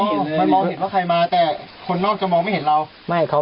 มันมองเห็นว่าใครมาแต่คนนอกจะมองไม่เห็นเราไม่เขา